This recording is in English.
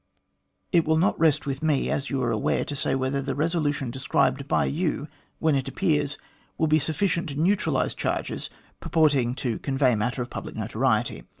It will not rest with me, as you are aware, to say whether the resolution described by you, when it appears, will be sufficient to neutralise charges purporting to convey matter of public notoriety.